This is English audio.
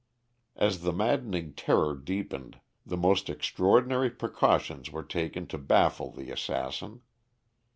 As the maddening terror deepened, the most extraordinary precautions were taken to baffle the assassin.